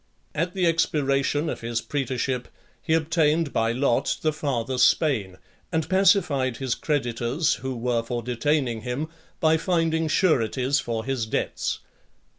XVIII. At the expiration of his praetorship he obtained by lot the Farther Spain , and pacified his creditors, who were for detaining him, by finding sureties for his debts .